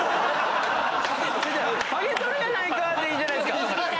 「ハゲとるやないか」でいいじゃないですか。